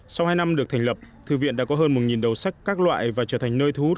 sau hai năm được thành lập thư viện đã có hơn một đầu sách các loại và trở thành nơi thu hút